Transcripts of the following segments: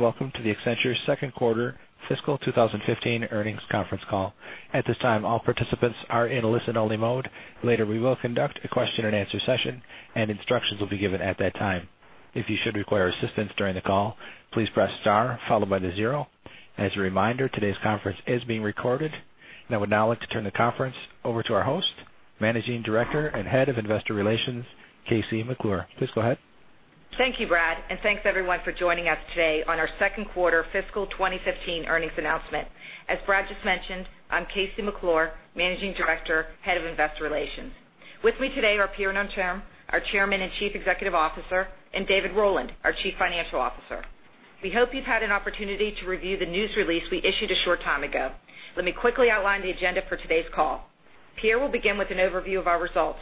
Welcome to the Accenture second quarter fiscal 2015 earnings conference call. At this time, all participants are in listen-only mode. Later, we will conduct a question and answer session and instructions will be given at that time. If you should require assistance during the call, please press star followed by the zero. As a reminder, today's conference is being recorded. I would now like to turn the conference over to our host, Managing Director and Head of Investor Relations, KC McClure. Please go ahead. Thank you, Brad, and thanks everyone for joining us today on our second quarter fiscal 2015 earnings announcement. As Brad just mentioned, I'm KC McClure, Managing Director, Head of Investor Relations. With me today are Pierre Nanterme, our Chairman and Chief Executive Officer, and David Rowland, our Chief Financial Officer. We hope you've had an opportunity to review the news release we issued a short time ago. Let me quickly outline the agenda for today's call. Pierre will begin with an overview of our results.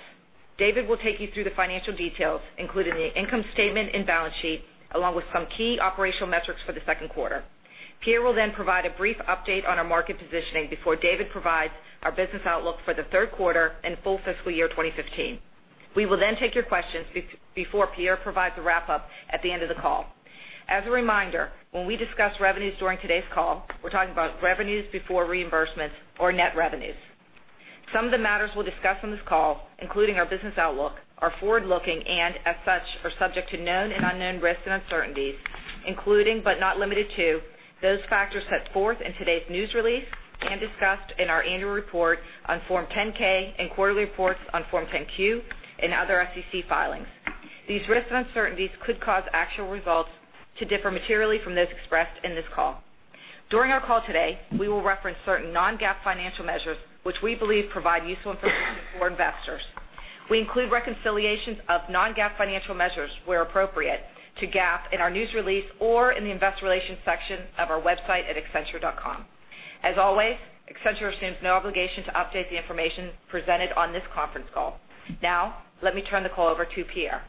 David will take you through the financial details, including the income statement and balance sheet, along with some key operational metrics for the second quarter. Pierre will then provide a brief update on our market positioning before David provides our business outlook for the third quarter and full fiscal year 2015. We will then take your questions before Pierre provides a wrap-up at the end of the call. As a reminder, when we discuss revenues during today's call, we're talking about revenues before reimbursements or net revenues. Some of the matters we'll discuss on this call, including our business outlook, are forward-looking and as such, are subject to known and unknown risks and uncertainties, including but not limited to, those factors set forth in today's news release and discussed in our annual report on Form 10-K and quarterly reports on Form 10-Q and other SEC filings. These risks and uncertainties could cause actual results to differ materially from those expressed in this call. During our call today, we will reference certain non-GAAP financial measures, which we believe provide useful information for investors. We include reconciliations of non-GAAP financial measures where appropriate to GAAP in our news release or in the investor relations section of our website at accenture.com. As always, Accenture assumes no obligation to update the information presented on this conference call. Now, let me turn the call over to Pierre.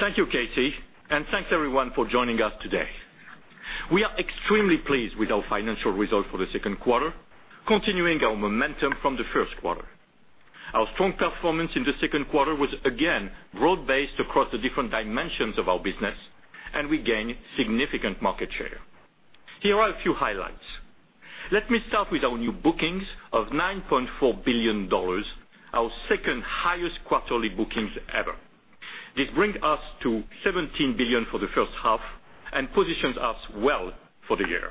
Thank you, KC, and thanks everyone for joining us today. We are extremely pleased with our financial results for the second quarter, continuing our momentum from the first quarter. Our strong performance in the second quarter was again broad-based across the different dimensions of our business, and we gained significant market share. Here are a few highlights. Let me start with our new bookings of $9.4 billion, our second highest quarterly bookings ever. This brings us to $17 billion for the first half and positions us well for the year.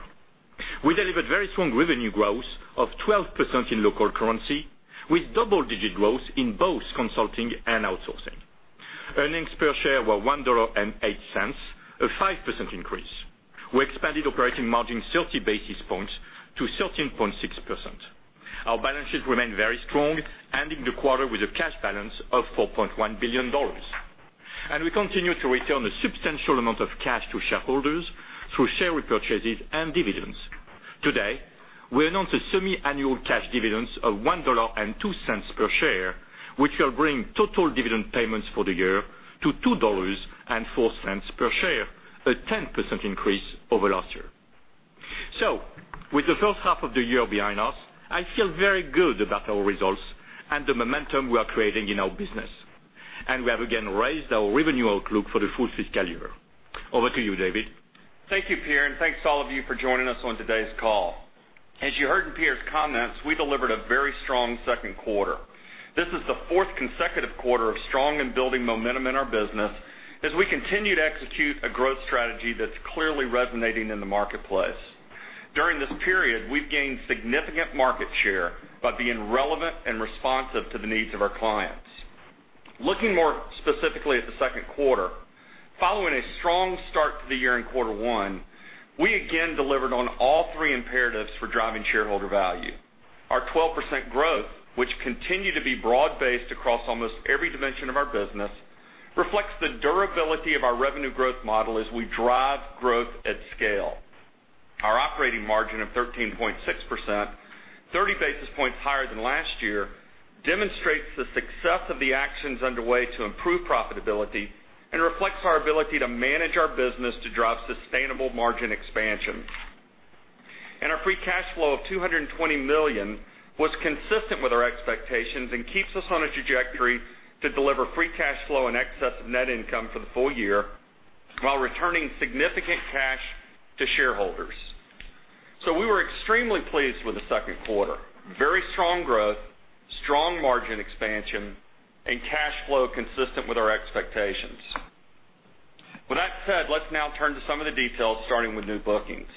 We delivered very strong revenue growth of 12% in local currency, with double-digit growth in both consulting and outsourcing. Earnings per share were $1.08, a 5% increase. We expanded operating margin 30 basis points to 13.6%. Our balance sheet remained very strong, ending the quarter with a cash balance of $4.1 billion. We continue to return a substantial amount of cash to shareholders through share repurchases and dividends. Today, we announced a semi-annual cash dividends of $1.02 per share, which will bring total dividend payments for the year to $2.04 per share, a 10% increase over last year. With the first half of the year behind us, I feel very good about our results and the momentum we are creating in our business. We have again raised our revenue outlook for the full fiscal year. Over to you, David. Thank you, Pierre, and thanks to all of you for joining us on today's call. As you heard in Pierre's comments, we delivered a very strong second quarter. This is the fourth consecutive quarter of strong and building momentum in our business as we continue to execute a growth strategy that's clearly resonating in the marketplace. During this period, we've gained significant market share by being relevant and responsive to the needs of our clients. Looking more specifically at the second quarter, following a strong start to the year in quarter one, we again delivered on all three imperatives for driving shareholder value. Our 12% growth, which continued to be broad-based across almost every dimension of our business, reflects the durability of our revenue growth model as we drive growth at scale. Our operating margin of 13.6%, 30 basis points higher than last year, demonstrates the success of the actions underway to improve profitability and reflects our ability to manage our business to drive sustainable margin expansion. Our free cash flow of $220 million was consistent with our expectations and keeps us on a trajectory to deliver free cash flow in excess of net income for the full year while returning significant cash to shareholders. We were extremely pleased with the second quarter. Very strong growth, strong margin expansion, and cash flow consistent with our expectations. With that said, let's now turn to some of the details, starting with new bookings.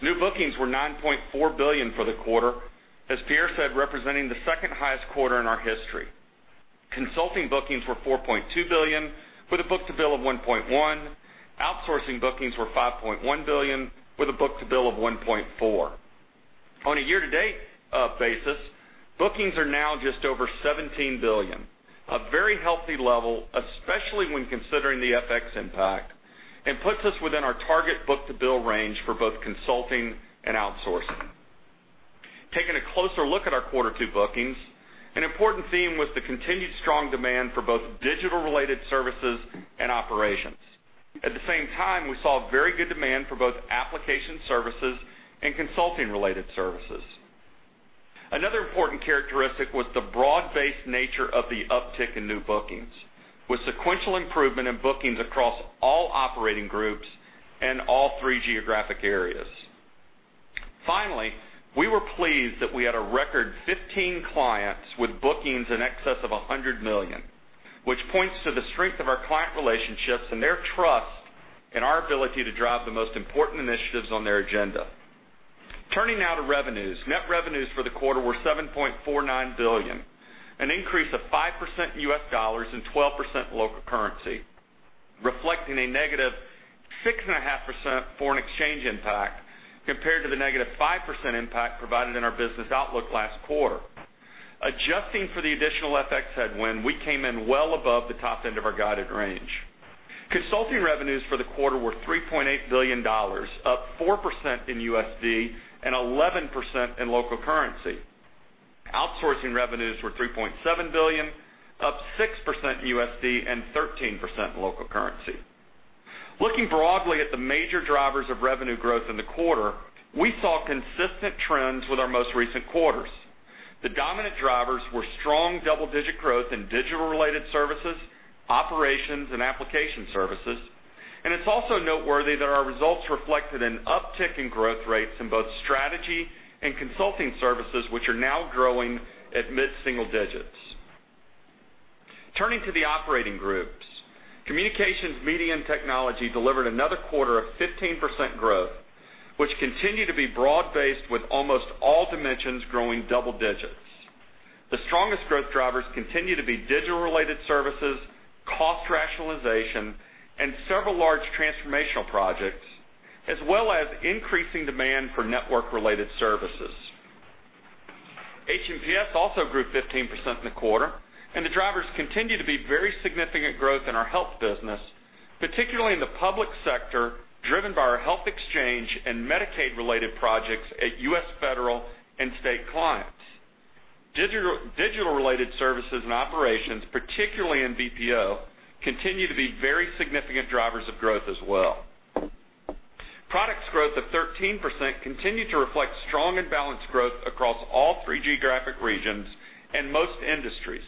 New bookings were $9.4 billion for the quarter. As Pierre said, representing the second highest quarter in our history. Consulting bookings were $4.2 billion with a book-to-bill of 1.1. Outsourcing bookings were $5.1 billion with a book-to-bill of 1.4. On a year-to-date basis, bookings are now just over $17 billion. A very healthy level, especially when considering the FX impact, and puts us within our target book-to-bill range for both consulting and outsourcing. Taking a closer look at our quarter two bookings, an important theme was the continued strong demand for both digital-related services and operations. At the same time, we saw very good demand for both application services and consulting-related services. Another important characteristic was the broad-based nature of the uptick in new bookings, with sequential improvement in bookings across all operating groups and all three geographic areas. Finally, we were pleased that we had a record 15 clients with bookings in excess of $100 million, which points to the strength of our client relationships and their trust in our ability to drive the most important initiatives on their agenda. Turning now to revenues. Net revenues for the quarter were $7.49 billion, an increase of 5% in US dollars and 12% in local currency, reflecting a negative 6.5% foreign exchange impact compared to the negative 5% impact provided in our business outlook last quarter. Adjusting for the additional FX headwind, we came in well above the top end of our guided range. Consulting revenues for the quarter were $3.8 billion, up 4% in USD and 11% in local currency. Outsourcing revenues were $3.7 billion, up 6% in USD and 13% in local currency. Looking broadly at the major drivers of revenue growth in the quarter, we saw consistent trends with our most recent quarters. The dominant drivers were strong double-digit growth in digital-related services, operations, and application services. It's also noteworthy that our results reflected an uptick in growth rates in both strategy and consulting services, which are now growing at mid-single digits. Turning to the operating groups. Communications, media, and technology delivered another quarter of 15% growth, which continued to be broad-based with almost all dimensions growing double digits. The strongest growth drivers continue to be digital-related services, cost rationalization, and several large transformational projects, as well as increasing demand for network-related services. H&PS also grew 15% in the quarter. The drivers continue to be very significant growth in our health business, particularly in the public sector, driven by our health exchange and Medicaid-related projects at U.S. federal and state clients. Digital-related services and operations, particularly in BPO, continue to be very significant drivers of growth as well. Products growth of 13% continue to reflect strong and balanced growth across all three geographic regions and most industries.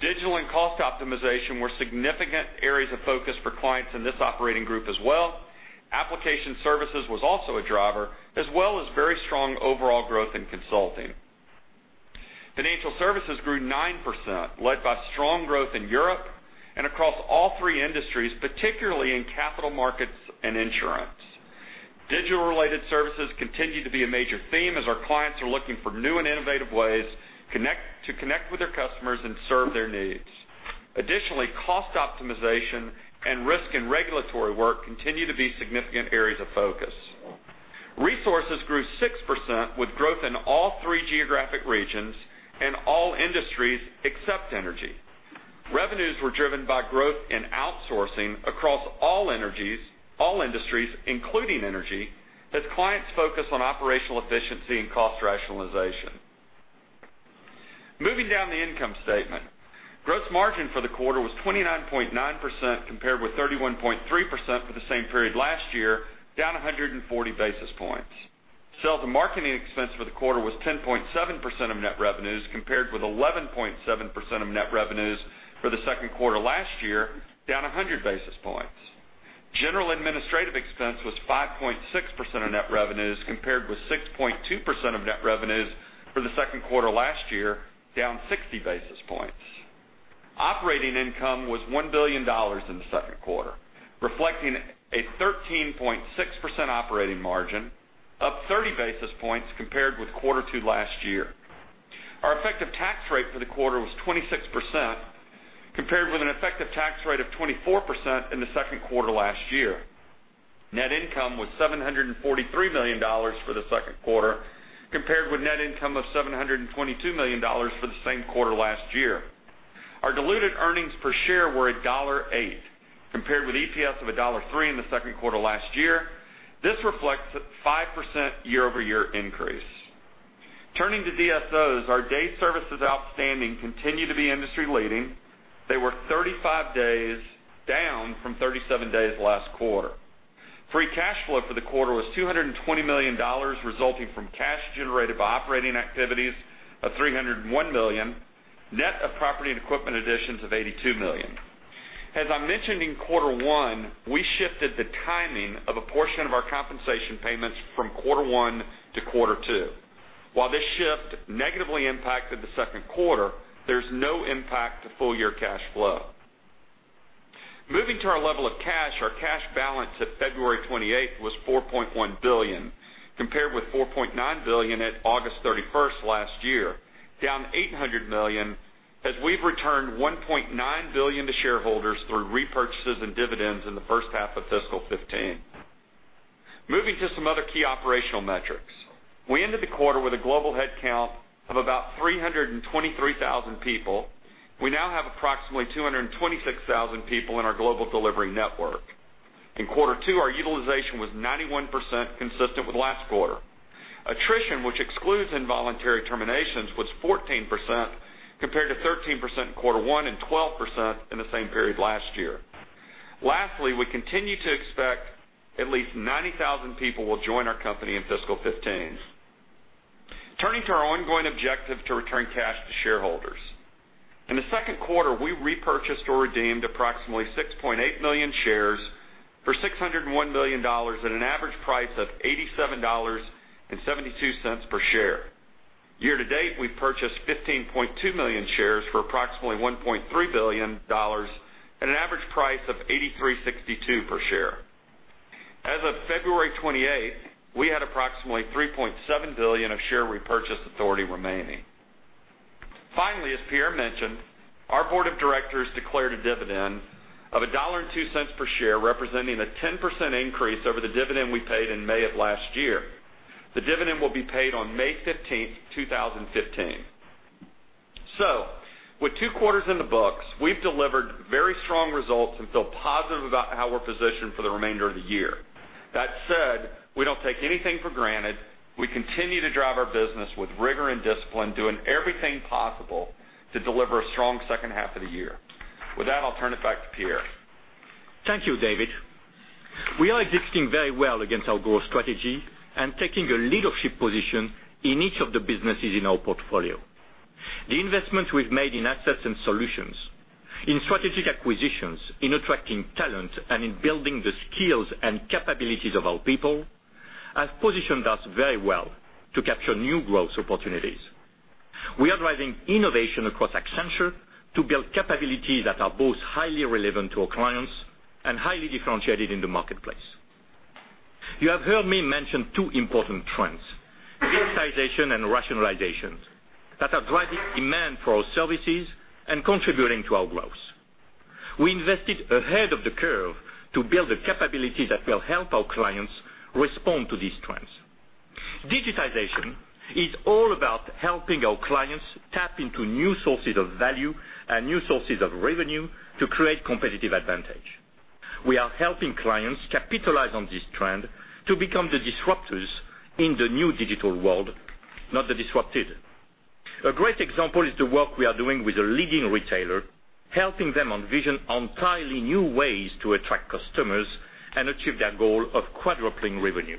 Digital and cost optimization were significant areas of focus for clients in this operating group as well. Application services was also a driver, as well as very strong overall growth in consulting. Financial services grew 9%, led by strong growth in Europe and across all three industries, particularly in capital markets and insurance. Digital-related services continue to be a major theme as our clients are looking for new and innovative ways to connect with their customers and serve their needs. Additionally, cost optimization and risk and regulatory work continue to be significant areas of focus. Resources grew 6% with growth in all three geographic regions and all industries except energy. Revenues were driven by growth in outsourcing across all industries, including energy, as clients focus on operational efficiency and cost rationalization. Moving down the income statement. Gross margin for the quarter was 29.9%, compared with 31.3% for the same period last year, down 140 basis points. Sales and marketing expense for the quarter was 10.7% of net revenues, compared with 11.7% of net revenues for the second quarter last year, down 100 basis points. General administrative expense was 5.6% of net revenues, compared with 6.2% of net revenues for the second quarter last year, down 60 basis points. Operating income was $1 billion in the second quarter, reflecting a 13.6% operating margin, up 30 basis points compared with Q2 last year. Our effective tax rate for the quarter was 26%, compared with an effective tax rate of 24% in the second quarter last year. Net income was $743 million for the second quarter, compared with net income of $722 million for the same quarter last year. Our diluted earnings per share were $1.08, compared with EPS of $1.03 in the second quarter last year. This reflects a 5% year-over-year increase. Turning to DSOs, our days sales outstanding continue to be industry-leading. They were 35 days, down from 37 days last quarter. Free cash flow for the quarter was $220 million, resulting from cash generated by operating activities of $301 million, net of property and equipment additions of $82 million. As I mentioned in quarter one, we shifted the timing of a portion of our compensation payments from quarter one to quarter two. While this shift negatively impacted the second quarter, there's no impact to full-year cash flow. Our cash balance at February 28th was $4.1 billion, compared with $4.9 billion at August 31st last year, down $800 million, as we've returned $1.9 billion to shareholders through repurchases and dividends in the first half of fiscal 2015. Moving to some other key operational metrics. We ended the quarter with a global headcount of about 323,000 people. We now have approximately 226,000 people in our Global Delivery Network. In quarter two, our utilization was 91%, consistent with last quarter. Attrition, which excludes involuntary terminations, was 14%, compared to 13% in quarter one and 12% in the same period last year. Lastly, we continue to expect at least 90,000 people will join our company in fiscal 2015. We repurchased or redeemed approximately 6.8 million shares for $601 million at an average price of $87.72 per share in the second quarter. Year to date, we've purchased 15.2 million shares for approximately $1.3 billion at an average price of $83.62 per share. As of February 28, we had approximately $3.7 billion of share repurchase authority remaining. As Pierre mentioned, our board of directors declared a dividend of $1.02 per share, representing a 10% increase over the dividend we paid in May of last year. The dividend will be paid on May 15, 2015. With two quarters in the books, we've delivered very strong results and feel positive about how we're positioned for the remainder of the year. That said, we don't take anything for granted. We continue to drive our business with rigor and discipline, doing everything possible to deliver a strong second half of the year. I'll turn it back to Pierre. Thank you, David. We are executing very well against our growth strategy and taking a leadership position in each of the businesses in our portfolio. The investment we've made in assets and solutions, in strategic acquisitions, in attracting talent, and in building the skills and capabilities of our people, has positioned us very well to capture new growth opportunities. We are driving innovation across Accenture to build capabilities that are both highly relevant to our clients and highly differentiated in the marketplace. You have heard me mention two important trends, digitization and rationalizations, that are driving demand for our services and contributing to our growth. We invested ahead of the curve to build the capabilities that will help our clients respond to these trends. Digitization is all about helping our clients tap into new sources of value and new sources of revenue to create competitive advantage. We are helping clients capitalize on this trend to become the disruptors in the new digital world, not the disrupted. A great example is the work we are doing with a leading retailer, helping them envision entirely new ways to attract customers and achieve their goal of quadrupling revenue.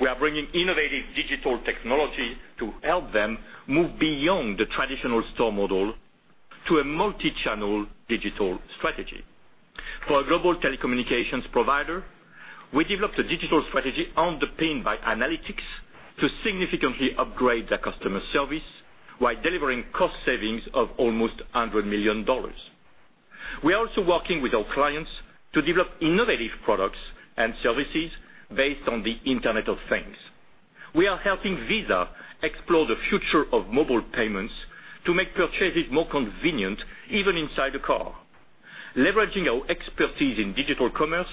We are bringing innovative digital technology to help them move beyond the traditional store model to a multi-channel digital strategy. For a global telecommunications provider, we developed a digital strategy underpinned by analytics to significantly upgrade their customer service while delivering cost savings of almost $100 million. We are also working with our clients to develop innovative products and services based on the Internet of Things. We are helping Visa explore the future of mobile payments to make purchases more convenient, even inside a car. Leveraging our expertise in digital commerce,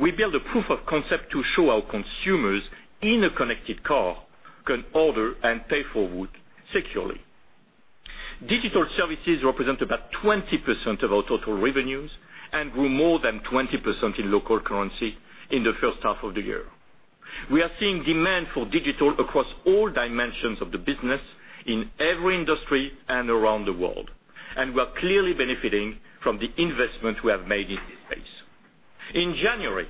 we built a proof of concept to show how consumers in a connected car can order and pay for food securely. Digital services represent about 20% of our total revenues and grew more than 20% in local currency in the first half of the year. We are clearly benefiting from the investment we have made in this space. In January,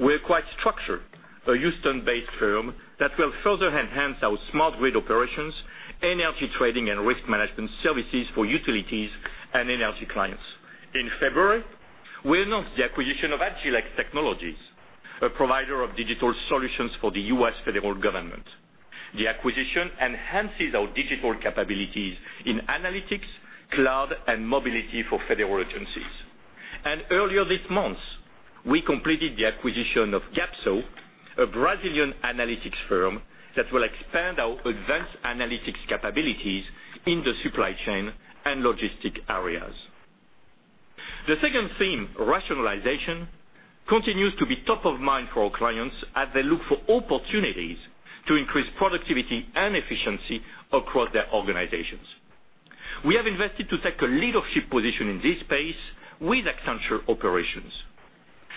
we acquired Structure, a Houston-based firm that will further enhance our smart grid operations, energy trading, and risk management services for utilities and energy clients. In February, we announced the acquisition of Agilex Technologies, a provider of digital solutions for the U.S. federal government. The acquisition enhances our digital capabilities in analytics, cloud, and mobility for federal agencies. Earlier this month, we completed the acquisition of Gapso, a Brazilian analytics firm that will expand our advanced analytics capabilities in the supply chain and logistic areas. The second theme, rationalization, continues to be top of mind for our clients as they look for opportunities to increase productivity and efficiency across their organizations. We have invested to take a leadership position in this space with Accenture Operations,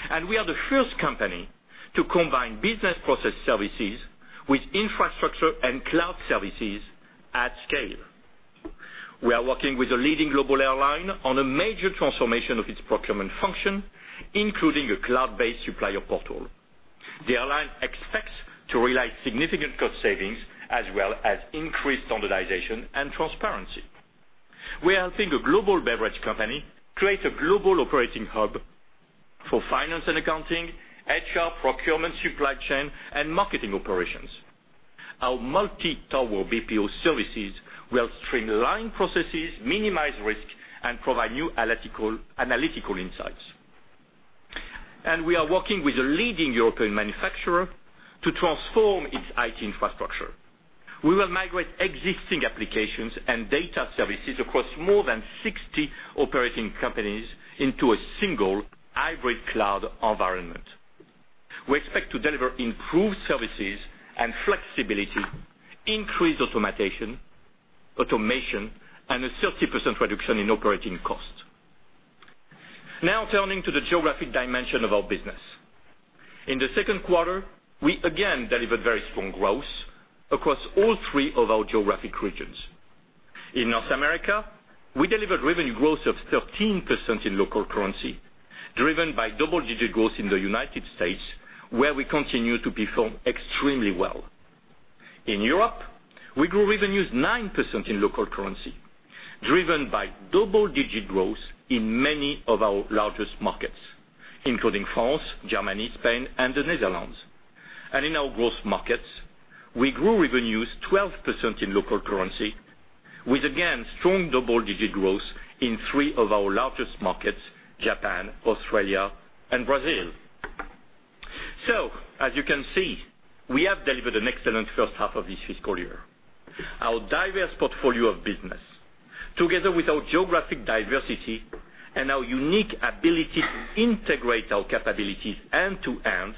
and we are the first company to combine business process services with infrastructure and cloud services at scale. We are working with a leading global airline on a major transformation of its procurement function, including a cloud-based supplier portal. The airline expects to realize significant cost savings as well as increased standardization and transparency. We are helping a global beverage company create a global operating hub for finance and accounting, HR, procurement, supply chain, and marketing operations. Our multi-tower BPO services will streamline processes, minimize risk, and provide new analytical insights. We are working with a leading European manufacturer to transform its IT infrastructure. We will migrate existing applications and data services across more than 60 operating companies into a single hybrid cloud environment. We expect to deliver improved services and flexibility, increased automation, and a 30% reduction in operating costs. Turning to the geographic dimension of our business. In the second quarter, we again delivered very strong growth across all three of our geographic regions. In North America, we delivered revenue growth of 13% in local currency, driven by double-digit growth in the U.S., where we continue to perform extremely well. In Europe, we grew revenues 9% in local currency, driven by double-digit growth in many of our largest markets, including France, Germany, Spain, and the Netherlands. In our growth markets, we grew revenues 12% in local currency, with again, strong double-digit growth in three of our largest markets, Japan, Australia, and Brazil. As you can see, we have delivered an excellent first half of this fiscal year. Our diverse portfolio of business, together with our geographic diversity and our unique ability to integrate our capabilities end to end,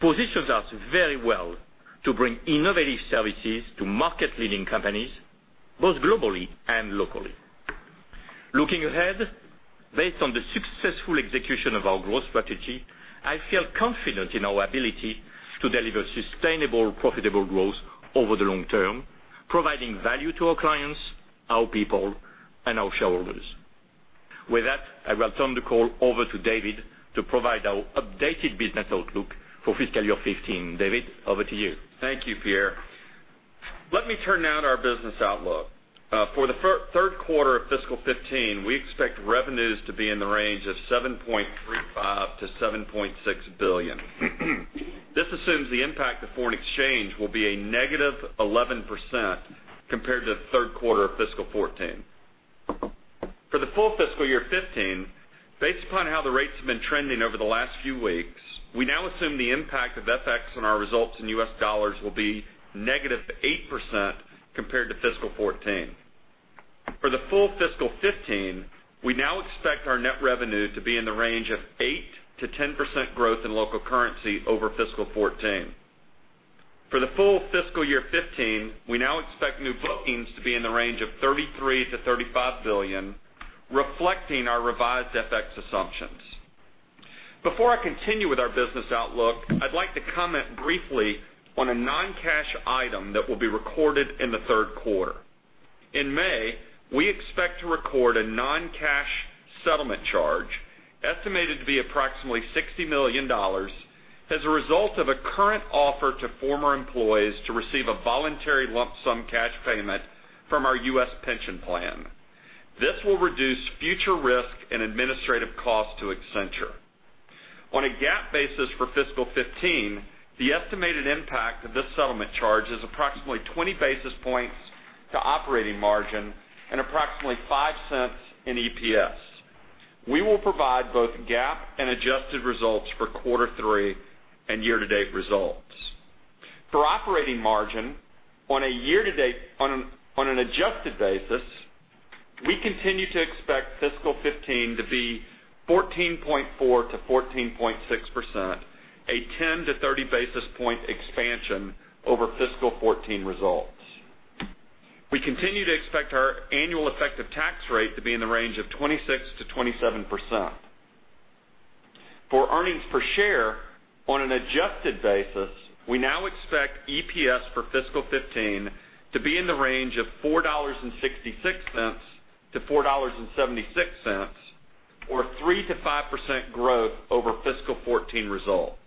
positions us very well to bring innovative services to market-leading companies, both globally and locally. Looking ahead, based on the successful execution of our growth strategy, I feel confident in our ability to deliver sustainable, profitable growth over the long term, providing value to our clients, our people, and our shareholders. With that, I will turn the call over to David to provide our updated business outlook for fiscal year 2015. David, over to you. Thank you, Pierre. Let me turn now to our business outlook. For the third quarter of fiscal 2015, we expect revenues to be in the range of $7.35 billion-$7.6 billion. This assumes the impact of foreign exchange will be a negative 11% compared to the third quarter of fiscal 2014. For the full fiscal year 2015, based upon how the rates have been trending over the last few weeks, we now assume the impact of FX on our results in U.S. dollars will be negative 8% compared to fiscal 2014. For the full fiscal 2015, we now expect our net revenue to be in the range of 8%-10% growth in local currency over fiscal 2014. For the full fiscal year 2015, we now expect new bookings to be in the range of $33 billion-$35 billion, reflecting our revised FX assumptions. Before I continue with our business outlook, I'd like to comment briefly on a non-cash item that will be recorded in the third quarter. In May, we expect to record a non-cash settlement charge, estimated to be approximately $60 million, as a result of a current offer to former employees to receive a voluntary lump sum cash payment from our U.S. pension plan. This will reduce future risk and administrative costs to Accenture. On a GAAP basis for fiscal 2015, the estimated impact of this settlement charge is approximately 20 basis points to operating margin and approximately $0.05 in EPS. We will provide both GAAP and adjusted results for quarter three and year-to-date results. For operating margin on an adjusted basis, we continue to expect fiscal 2015 to be 14.4%-14.6%, a 10 to 30 basis point expansion over fiscal 2014 results. We continue to expect our annual effective tax rate to be in the range of 26%-27%. For earnings per share on an adjusted basis, we now expect EPS for fiscal 2015 to be in the range of $4.66-$4.76 or 3%-5% growth over fiscal 2014 results.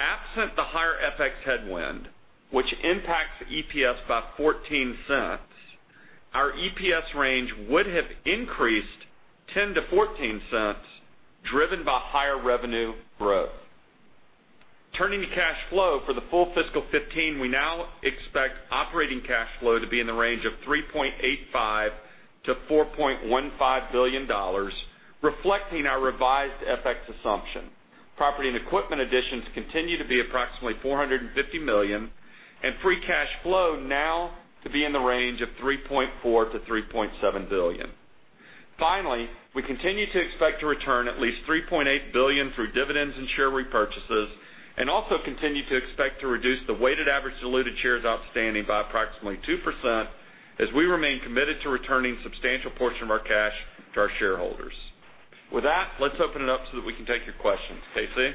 Absent the higher FX headwind, which impacts EPS by $0.14, our EPS range would have increased $0.10-$0.14, driven by higher revenue growth. Turning to cash flow for the full fiscal 2015, we now expect operating cash flow to be in the range of $3.85 billion-$4.15 billion, reflecting our revised FX assumption. Property and equipment additions continue to be approximately $450 million and free cash flow now to be in the range of $3.4 billion-$3.7 billion. Finally, we continue to expect to return at least $3.8 billion through dividends and share repurchases and also continue to expect to reduce the weighted average diluted shares outstanding by approximately 2% as we remain committed to returning a substantial portion of our cash to our shareholders. With that, let's open it up so that we can take your questions. KC?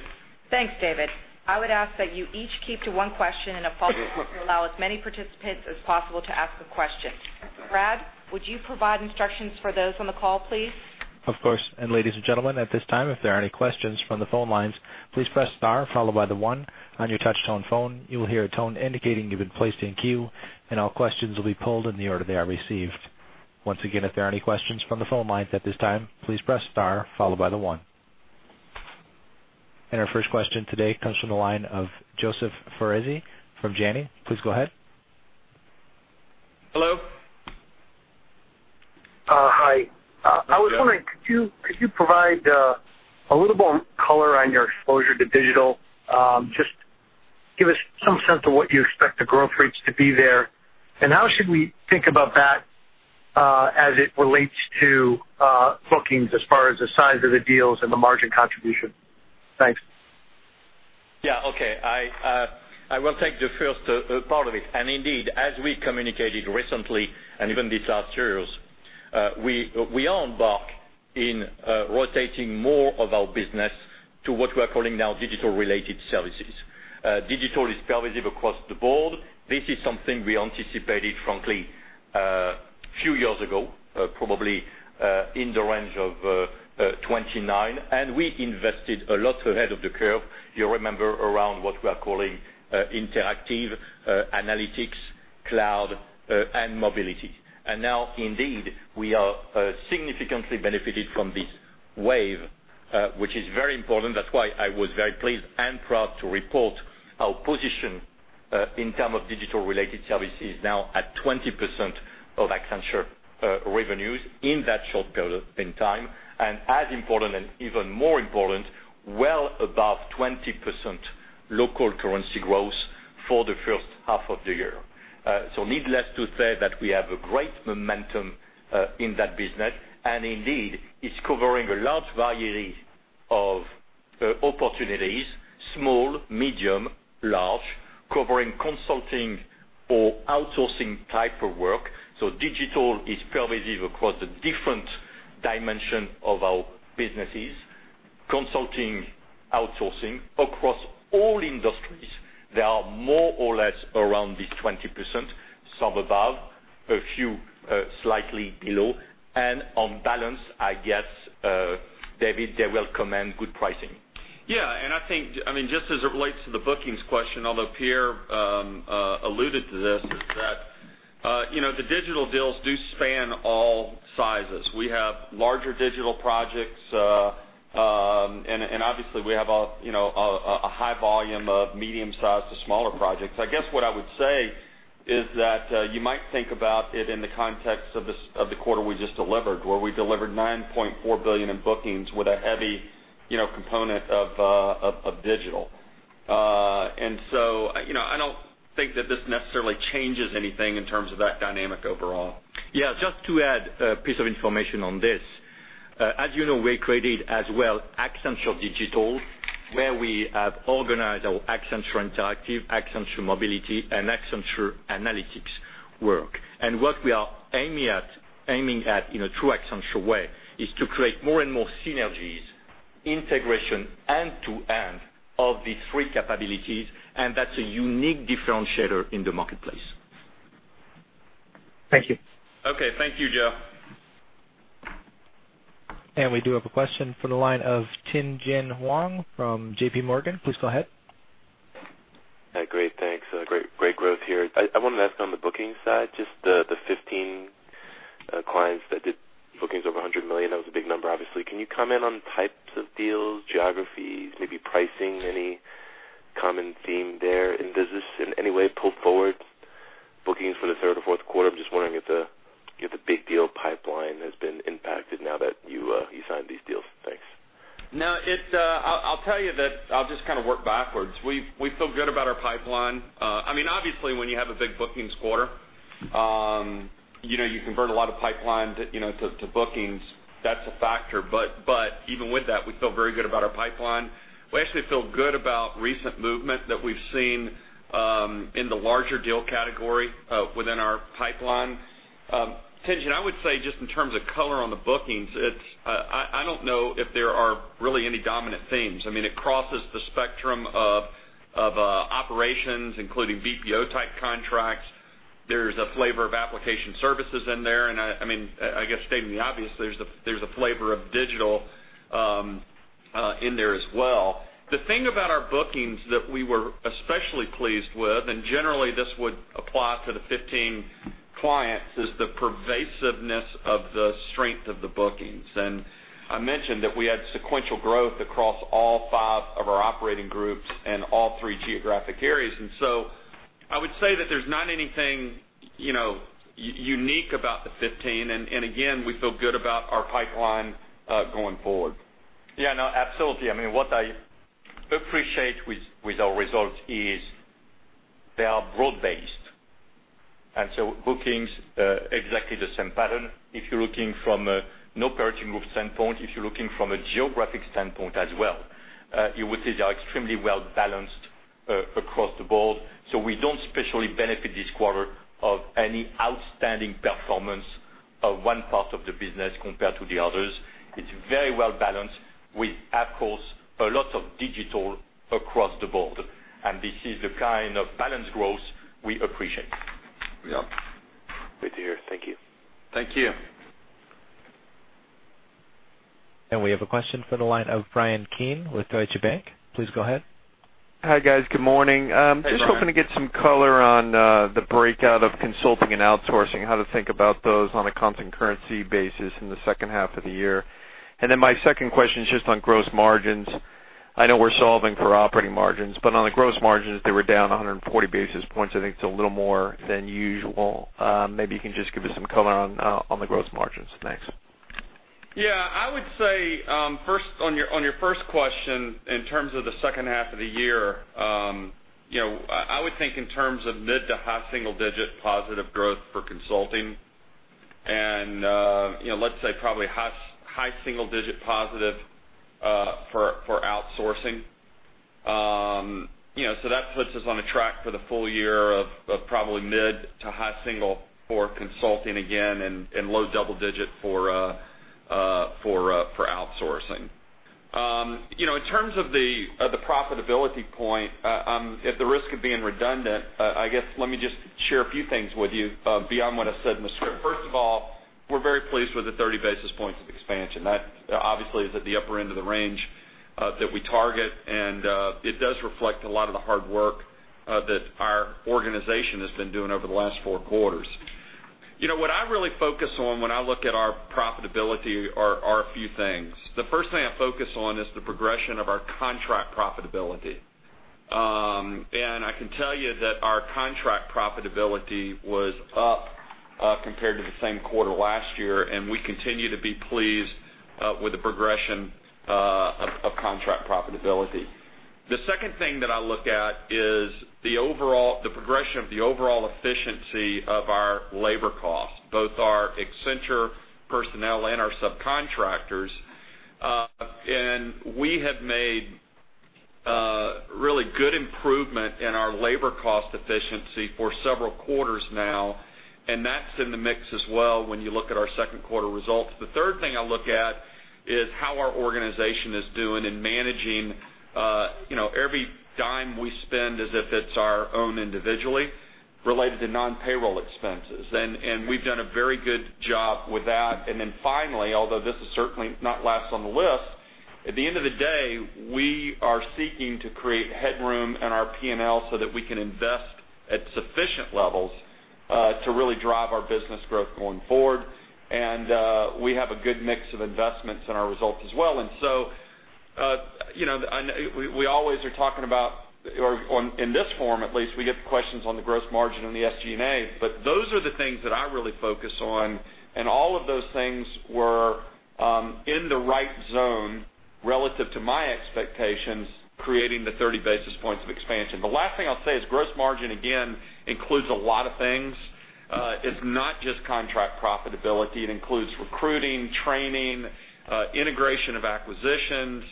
Thanks, David. I would ask that you each keep to one question and a follow-up to allow as many participants as possible to ask a question. Brad, would you provide instructions for those on the call, please? Of course. Ladies and gentlemen, at this time, if there are any questions from the phone lines, please press star followed by the one on your touchtone phone. You will hear a tone indicating you've been placed in queue, and all questions will be pulled in the order they are received. Once again, if there are any questions from the phone lines at this time, please press star followed by the one. Our first question today comes from the line of Joseph Foresi from Janney. Please go ahead. Hello. Hi. I was wondering, could you provide a little more color on your exposure to digital? Just give us some sense of what you expect the growth rates to be there, and how should we think about that as it relates to bookings as far as the size of the deals and the margin contribution? Thanks. Yeah. Okay. I will take the first part of it. Indeed, as we communicated recently, and even these last years, we are embarked in rotating more of our business to what we are calling now digital-related services. Digital is pervasive across the board. This is something we anticipated, frankly, a few years ago, probably in the range of '09, and we invested a lot ahead of the curve, if you remember, around what we are calling interactive analytics, cloud, and mobility. Now, indeed, we are significantly benefited from this wave, which is very important. That's why I was very pleased and proud to report our position in terms of digital-related services now at 20% of Accenture revenues in that short period in time. As important, and even more important, well above 20% local currency growth for the first half of the year. Needless to say that we have a great momentum in that business. Indeed, it's covering a large variety of opportunities, small, medium, large, covering consulting or outsourcing type of work. Digital is pervasive across the different dimension of our businesses, consulting, outsourcing, across all industries. They are more or less around this 20%, some above, a few slightly below. On balance, I guess, David, they will command good pricing. Yeah. I think, just as it relates to the bookings question, although Pierre alluded to this, is that the digital deals do span all sizes. We have larger digital projects, and obviously, we have a high volume of medium-sized to smaller projects. I guess what I would say is that you might think about it in the context of the quarter we just delivered, where we delivered $9.4 billion in bookings with a heavy component of digital. I don't think that this necessarily changes anything in terms of that dynamic overall. Yeah. Just to add a piece of information on this. As you know, we created as well Accenture Digital, where we have organized our Accenture Interactive, Accenture Mobility, and Accenture Analytics work. What we are aiming at, in a true Accenture way, is to create more and more synergies, integration end to end of these three capabilities, and that's a unique differentiator in the marketplace. Thank you. Okay. Thank you, Joe. We do have a question from the line of Tien-Tsin Huang from JPMorgan. Please go ahead. Hi. Great. Thanks. Great growth here. I wanted to ask on the bookings side, just the 15 clients that did bookings over $100 million, that was a big number, obviously. Can you comment on types of deals, geographies, maybe pricing? Any common theme there? Does this in any way pull forward bookings for the third or fourth quarter? I'm just wondering if the big deal pipeline has been impacted now that you signed these deals. Thanks. No. I'll tell you that I'll just kind of work backwards. We feel good about our pipeline. Obviously, when you have a big bookings quarter, you convert a lot of pipeline to bookings. That's a factor. Even with that, we feel very good about our pipeline. We actually feel good about recent movement that we've seen in the larger deal category within our pipeline. Tien-Tsin, I would say just in terms of color on the bookings, I don't know if there are really any dominant themes. It crosses the spectrum of operations, including BPO-type contracts. There's a flavor of application services in there, and I guess stating the obvious, there's a flavor of digital in there as well. The thing about our bookings that we were especially pleased with, and generally this would apply to the 15 clients, is the pervasiveness of the strength of the bookings. I mentioned that we had sequential growth across all five of our operating groups and all three geographic areas. I would say that there's not anything unique about the 15. Again, we feel good about our pipeline going forward. Yeah. No, absolutely. What I appreciate with our results is they are broad-based. Bookings, exactly the same pattern. If you're looking from an operating group standpoint, if you're looking from a geographic standpoint as well, you would say they are extremely well-balanced across the board. We don't especially benefit this quarter of any outstanding performance of one part of the business compared to the others. It's very well-balanced with, of course, a lot of digital across the board. This is the kind of balanced growth we appreciate. Yeah. Good to hear. Thank you. Thank you. We have a question from the line of Bryan Keane with Deutsche Bank. Please go ahead. Hi, guys. Good morning. Hey, Bryan. Just hoping to get some color on the breakout of consulting and outsourcing, how to think about those on a constant currency basis in the second half of the year. My second question is just on gross margins. I know we're solving for operating margins, but on the gross margins, they were down 140 basis points. I think it's a little more than usual. Maybe you can just give us some color on the gross margins. Thanks. Yeah. I would say on your first question, in terms of the second half of the year, I would think in terms of mid to high single digit positive growth for consulting and, let's say probably high single digit positive for outsourcing. That puts us on a track for the full year of probably mid to high single for consulting again and low double digit for outsourcing. In terms of the profitability point, at the risk of being redundant, I guess let me just share a few things with you beyond what I said in the script. First of all, we're very pleased with the 30 basis points of expansion. That obviously is at the upper end of the range that we target, and it does reflect a lot of the hard work that our organization has been doing over the last four quarters. What I really focus on when I look at our profitability are a few things. The first thing I focus on is the progression of our contract profitability. I can tell you that our contract profitability was up compared to the same quarter last year, and we continue to be pleased with the progression of contract profitability. The second thing that I look at is the progression of the overall efficiency of our labor cost, both our Accenture personnel and our subcontractors. We have made a really good improvement in our labor cost efficiency for several quarters now, and that's in the mix as well when you look at our second quarter results. The third thing I look at is how our organization is doing in managing every dime we spend as if it's our own individually related to non-payroll expenses. We've done a very good job with that. Finally, although this is certainly not last on the list, at the end of the day, we are seeking to create headroom in our P&L so that we can invest at sufficient levels to really drive our business growth going forward. We have a good mix of investments in our results as well. We always are talking about, or in this forum at least, we get the questions on the gross margin and the SG&A, but those are the things that I really focus on, and all of those things were in the right zone relative to my expectations, creating the 30 basis points of expansion. The last thing I'll say is gross margin, again, includes a lot of things. It's not just contract profitability. It includes recruiting, training, integration of acquisitions,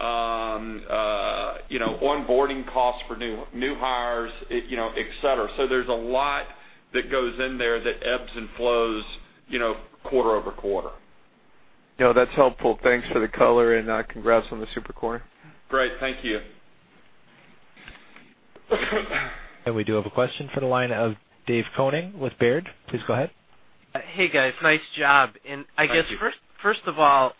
onboarding costs for new hires, et cetera. There's a lot that goes in there that ebbs and flows quarter-over-quarter. That's helpful. Thanks for the color and congrats on the super quarter. Great. Thank you. We do have a question for the line of David Koning with Baird. Please go ahead. Hey, guys. Nice job. Thank you. I guess first of all,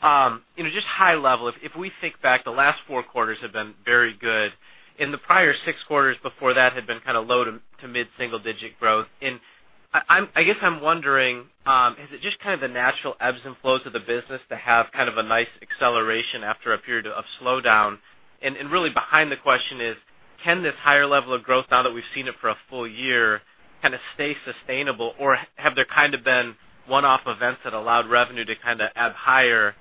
just high level, if we think back, the last four quarters have been very good, and the prior six quarters before that had been kind of low to mid-single digit growth. I guess I'm wondering, is it just kind of the natural ebbs and flows of the business to have kind of a nice acceleration after a period of slowdown? Really behind the question is, can this higher level of growth, now that we've seen it for a full year, kind of stay sustainable, or have there kind of been one-off events that allowed revenue to kind of ebb higher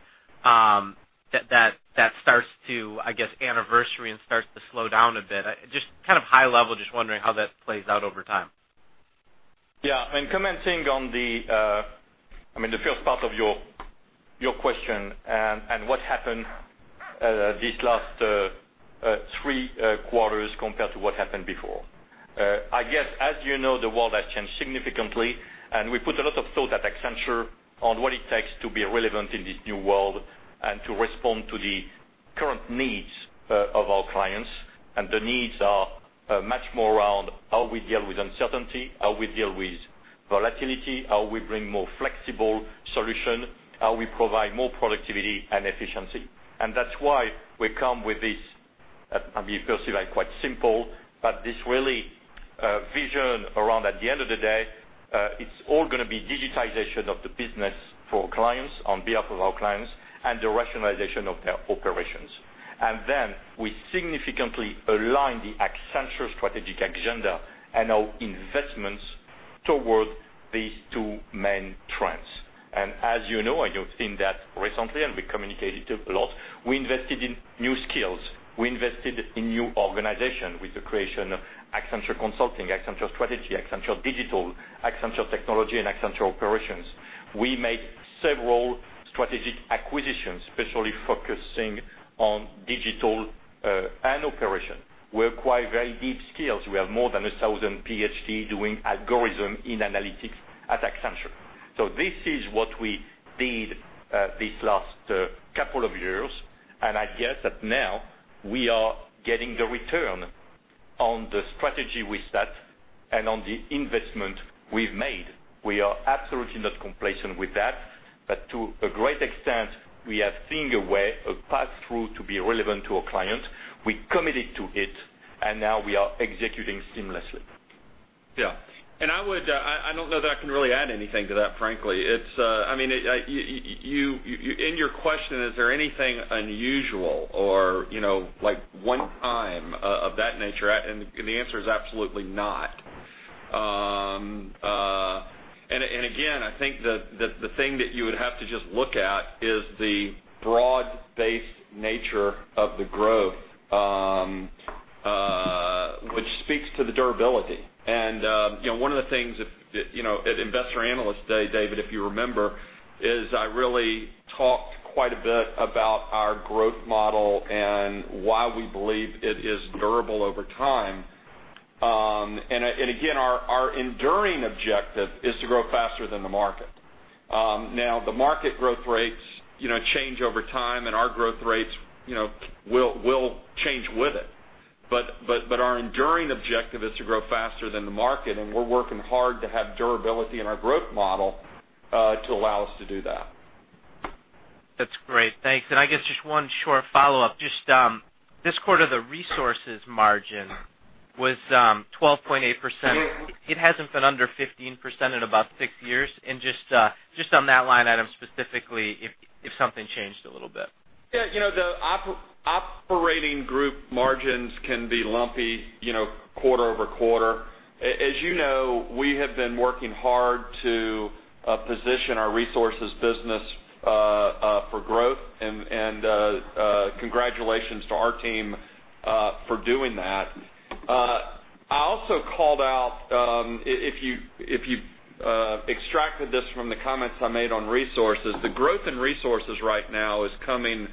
that starts to, I guess, anniversary and starts to slow down a bit? Just kind of high level, just wondering how that plays out over time. Yeah. Commenting on the first part of your question and what happened these last three quarters compared to what happened before. I guess, as you know, the world has changed significantly. We put a lot of thought at Accenture on what it takes to be relevant in this new world and to respond to the current needs of our clients. The needs are much more around how we deal with uncertainty, how we deal with volatility, how we bring more flexible solution, how we provide more productivity and efficiency. That's why we come with this, and we perceive quite simple, but this really vision around, at the end of the day, it's all going to be digitization of the business for clients on behalf of our clients and the rationalization of their operations. We significantly align the Accenture strategic agenda and our investments towards these two main trends. As you know, and you've seen that recently, and we communicated it a lot, we invested in new skills. We invested in new organization with the creation of Accenture Consulting, Accenture Strategy, Accenture Digital, Accenture Technology, and Accenture Operations. We made several strategic acquisitions, especially focusing on digital and operation. We acquire very deep skills. We have more than 1,000 PhD doing algorithm in analytics at Accenture. This is what we did these last couple of years, and I guess that now we are getting the return on the strategy we set and on the investment we've made. We are absolutely not complacent with that, but to a great extent, we have seen a way, a path through to be relevant to a client. We committed to it, now we are executing seamlessly. Yeah. I don't know that I can really add anything to that, frankly. In your question, is there anything unusual or one time of that nature? The answer is absolutely not. Again, I think that the thing that you would have to just look at is the broad-based nature of the growth. Which speaks to the durability. One of the things at Investor & Analyst Day, David, if you remember, is I really talked quite a bit about our growth model and why we believe it is durable over time. Again, our enduring objective is to grow faster than the market. Now, the market growth rates change over time, and our growth rates will change with it. Our enduring objective is to grow faster than the market, and we're working hard to have durability in our growth model to allow us to do that. That's great. Thanks. I guess just one short follow-up. Just this quarter, the resources margin was 12.8%. It hasn't been under 15% in about six years. Just on that line item specifically, if something changed a little bit. Yeah. The operating group margins can be lumpy quarter-over-quarter. As you know, we have been working hard to position our resources business for growth, congratulations to our team for doing that. I also called out, if you extracted this from the comments I made on resources, the growth in resources right now is coming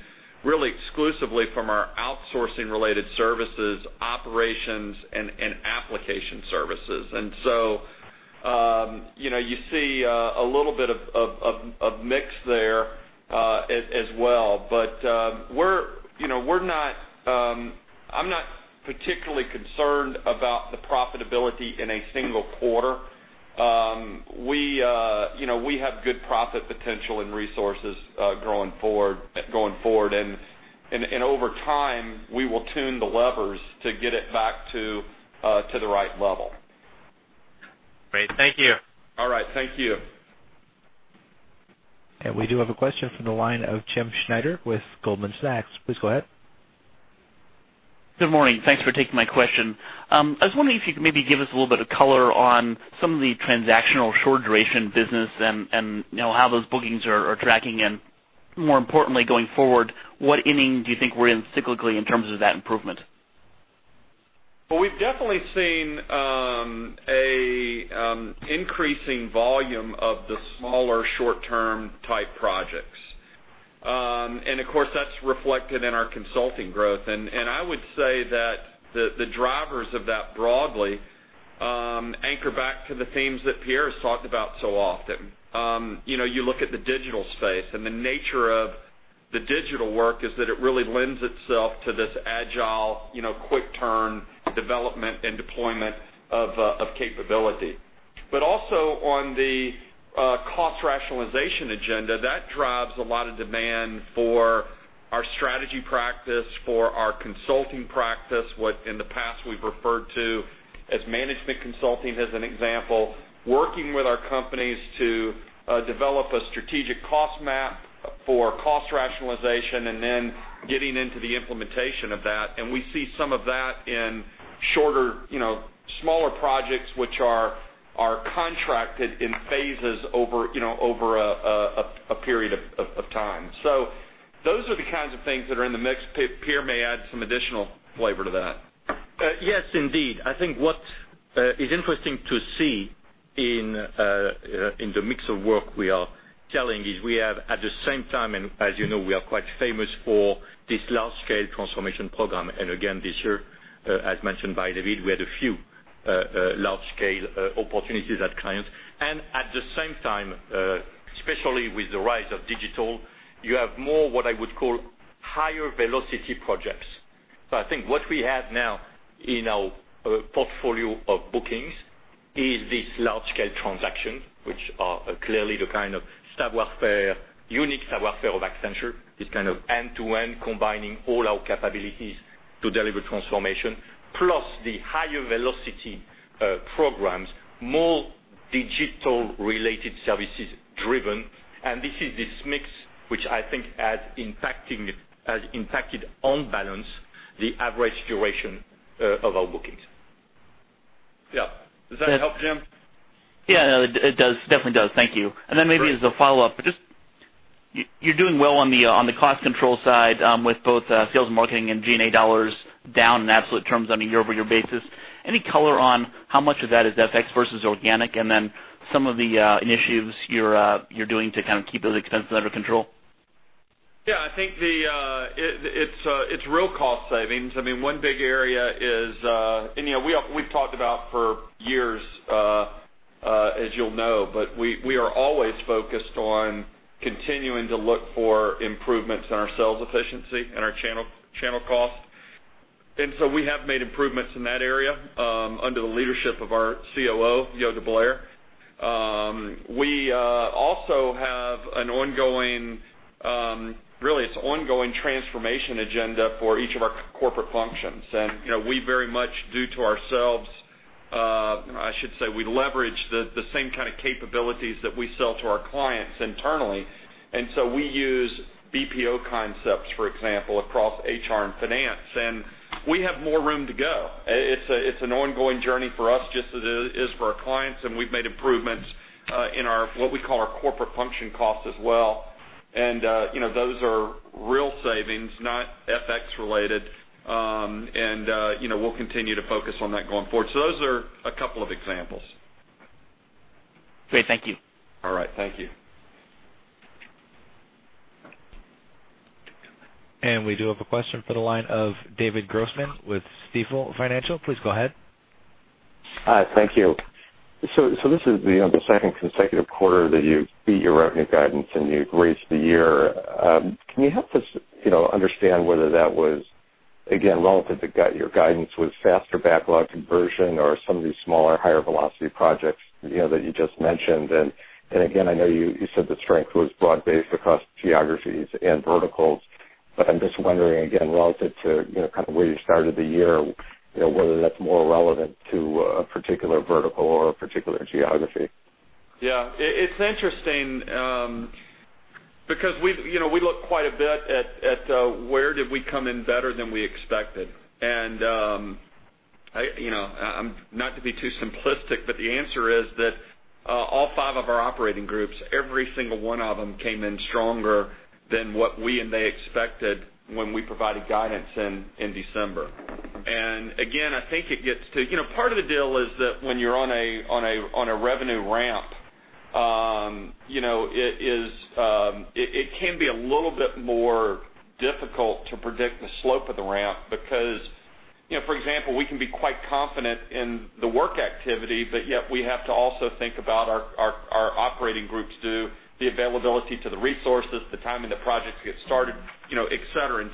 really exclusively from our outsourcing-related services, Operations, and application services. So you see a little bit of a mix there as well. I'm not particularly concerned about the profitability in a single quarter. We have good profit potential and resources going forward. Over time, we will tune the levers to get it back to the right level. Great. Thank you. All right. Thank you. We do have a question from the line of James Schneider with Goldman Sachs. Please go ahead. Good morning. Thanks for taking my question. I was wondering if you could maybe give us a little bit of color on some of the transactional short-duration business and how those bookings are tracking and more importantly, going forward, what inning do you think we're in cyclically in terms of that improvement? Well, we've definitely seen an increasing volume of the smaller short-term type projects. Of course, that's reflected in our consulting growth. I would say that the drivers of that broadly anchor back to the themes that Pierre has talked about so often. You look at the digital space, the nature of the digital work is that it really lends itself to this agile, quick turn development and deployment of capability. Also on the cost rationalization agenda, that drives a lot of demand for our Accenture Strategy practice, for our Accenture Consulting practice, what in the past we've referred to as management consulting as an example, working with our companies to develop a strategic cost map for cost rationalization and then getting into the implementation of that, we see some of that in shorter, smaller projects which are contracted in phases over a period of time. Those are the kinds of things that are in the mix. Pierre may add some additional flavor to that. Yes, indeed. I think what is interesting to see in the mix of work we are telling is we have at the same time, as you know, we are quite famous for this large-scale transformation program. Again, this year, as mentioned by David, we had a few large-scale opportunities at clients. At the same time, especially with the rise of digital, you have more what I would call higher velocity projects. I think what we have now in our portfolio of bookings is this large-scale transaction, which are clearly the kind of unique savoir faire of Accenture, this kind of end-to-end combining all our capabilities to deliver transformation, plus the higher velocity programs, more digital-related services driven, and this is this mix, which I think has impacted on balance the average duration of our bookings. Yeah. Does that help, Jim? Yeah, it definitely does. Thank you. Great. Then maybe as a follow-up, you're doing well on the cost control side with both sales and marketing and G&A dollars down in absolute terms on a year-over-year basis. Any color on how much of that is FX versus organic, and then some of the initiatives you're doing to kind of keep those expenses under control? Yeah, I think it's real cost savings. One big area is, and we've talked about for years, as you'll know, but we are always focused on continuing to look for improvements in our sales efficiency and our channel cost. We have made improvements in that area under the leadership of our COO, Jo Deblaere. We also have an ongoing transformation agenda for each of our corporate functions. We very much do to ourselves, I should say we leverage the same kind of capabilities that we sell to our clients internally. We use BPO concepts, for example, across HR and finance, and we have more room to go. It's an ongoing journey for us, just as it is for our clients, and we've made improvements in what we call our corporate function costs as well. Those are real savings, not FX related. We'll continue to focus on that going forward. Those are a couple of examples. Great. Thank you. All right. Thank you. We do have a question for the line of David Grossman with Stifel Financial. Please go ahead. Hi. Thank you. This is the second consecutive quarter that you've beat your revenue guidance, and you've raised the year. Can you help us understand whether that was, again, relative to your guidance, was faster backlog conversion or some of these smaller, higher velocity projects that you just mentioned? Again, I know you said the strength was broad-based across geographies and verticals, but I'm just wondering again, relative to where you started the year, whether that's more relevant to a particular vertical or a particular geography. Yeah. It's interesting, because we look quite a bit at where did we come in better than we expected. Not to be too simplistic, but the answer is that all five of our operating groups, every single one of them, came in stronger than what we and they expected when we provided guidance in December. Again, I think it gets to part of the deal is that when you're on a revenue ramp, it can be a little bit more difficult to predict the slope of the ramp because, for example, we can be quite confident in the work activity, but yet we have to also think about our operating groups do, the availability to the resources, the timing the projects get started, et cetera.